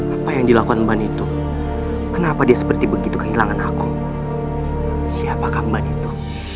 apa yang dilakukan mbak itu kenapa dia seperti begitu kehilangan aku siapakah mbak itu